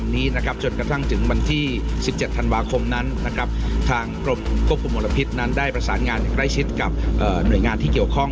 ดีกว่าวันที่๑๗ธันวาคมทางกรมกฎพุมลพิษได้ประสานงานใกล้ชิดกับหน่วยงานที่เกี่ยวข้อง